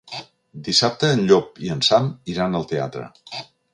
Dissabte en Llop i en Sam iran al teatre.